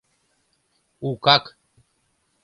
Укак!